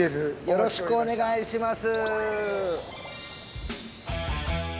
よろしくお願いします。